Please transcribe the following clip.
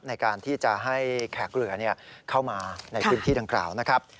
ในการที่จะให้แขกเรือเข้ามาในพื้นที่ดังกล่าวนะครับ